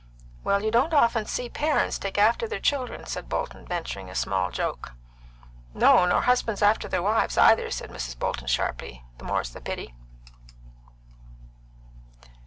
"Well, you don't often see pairents take after their children," said Bolton, venturing a small joke. "No, nor husbands after their wives, either," said Mrs. Bolton sharply. "The more's the pity."